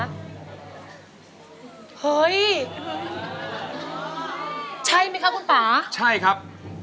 ในนี้ห้ามขายโรตเตอรี่ครับ